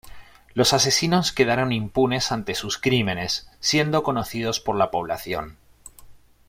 Los asesinos quedaron impunes ante sus crímenes siendo conocidos por la población.